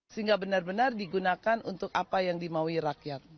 sehingga benar benar digunakan untuk apa yang dimaui rakyat